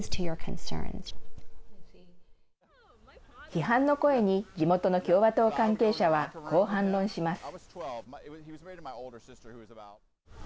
批判の声に地元の共和党関係者はこう反論します。